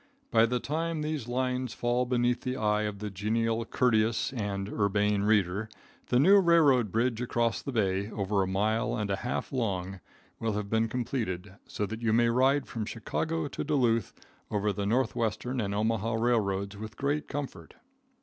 By the time these lines fall beneath the eye of the genial, courteous and urbane reader, the new railroad bridge across the bay, over a mile and a half long, will have been completed, so that you may ride from Chicago to Duluth over the Northwestern and Omaha railroads with great comfort.